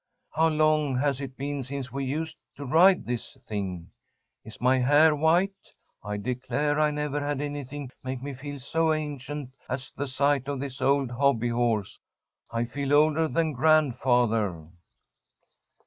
"How long has it been since we used to ride this thing? Is my hair white? I declare I never had anything make me feel so ancient as the sight of this old hobby horse. I feel older than grandfather."